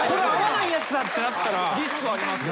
リスクありますよね。